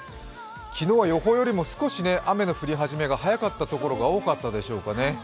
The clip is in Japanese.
昨日は予報よりも少し雨の降り始めが早かったところが多かったでしょうかね。